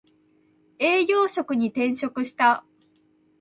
営業職に転職した